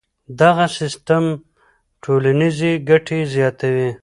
دغه سیستم ټولنیزې ګټې زیاتوي.